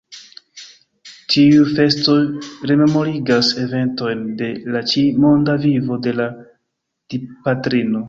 Tiuj festoj rememorigas eventojn de la ĉi-monda vivo de la Dipatrino.